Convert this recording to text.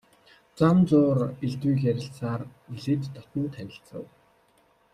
Зам зуур элдвийг ярилцсаар нэлээд дотно танилцав.